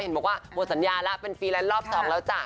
เห็นบอกว่าบลวนสัญญาณแล้วเป็นฟีแลนซ์รอบสองแล้วจ่ะ